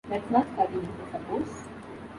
That's not studying, I suppose?